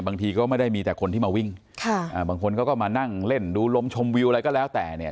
บางทีก็ไม่ได้มีแต่คนที่มาวิ่งค่ะอ่าบางคนเขาก็มานั่งเล่นดูลมชมวิวอะไรก็แล้วแต่เนี่ย